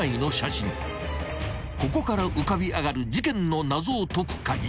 ［ここから浮かび上がる事件の謎を解く鍵］